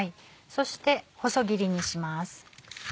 そして細切りにします。